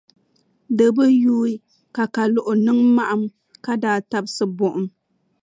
Di bi yuui ka Kaluɣi niŋ maɣim ka daa tabisi buɣum.